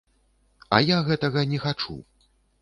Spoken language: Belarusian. А я гэтага не хачу.